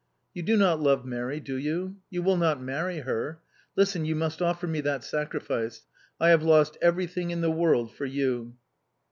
"You do not love Mary, do you? You will not marry her? Listen, you must offer me that sacrifice. I have lost everything in the world for you"...